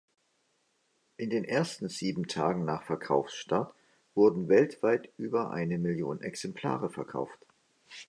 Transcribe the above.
In den ersten sieben Tagen nach Verkaufsstart wurden weltweit über eine Million Exemplare verkauft.